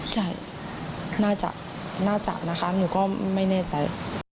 ใช่น่าจะน่าจะนะคะหนูก็ไม่แน่ใจ